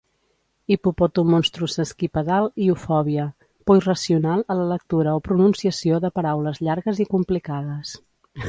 Hipopotomonstrosesquipedaliofòbia: por irracional a la lectura o pronunciació de paraules llargues i complicades